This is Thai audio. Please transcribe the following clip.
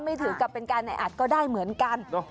ถือกับเป็นการแออัดก็ได้เหมือนกัน